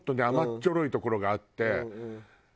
甘っちょろいところがあって。